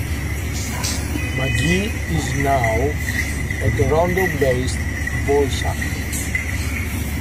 Magee is now a Toronto-based voice actor.